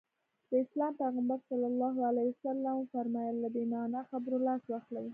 د اسلام پيغمبر ص وفرمايل له بې معنا خبرو لاس واخلي.